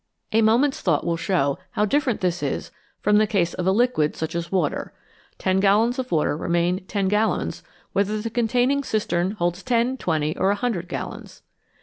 A moment's thought will show how different this is from the case of a liquid such as water. Ten gallons of water remain ten gallons whether the containing cistern holds ten^twenty, or a hundred gallons.